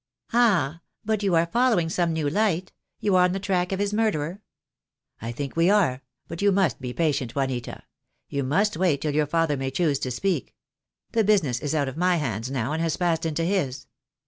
"Ah! but you are following some new light — you are on the track of his murderer?" "I think we are. But you must be patient, Juanita. THE DAY WILL COME. 205 You must wait till your father may choose to speak. The business is out of my hands now, and has passed into his."